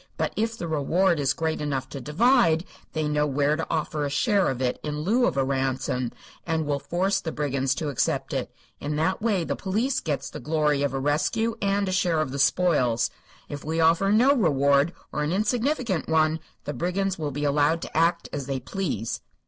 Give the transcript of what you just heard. But if the reward is great enough to divide, they know where to offer a share of it, in lieu of a ransom, and will force the brigands to accept it. In that way the police gets the glory of a rescue and a share of the spoils. If we offer no reward, or an insignificant one, the brigands will be allowed to act as they please."